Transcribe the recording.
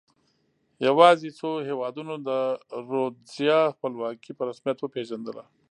یوازې څو هېوادونو د رودزیا خپلواکي په رسمیت وپېژندله.